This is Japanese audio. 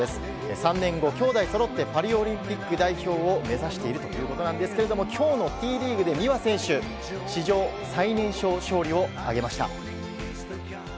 ３年後、兄妹そろってパリオリンピック代表を目指しているということですが今日のＴリーグで美和選手、史上最年少勝利を挙げました。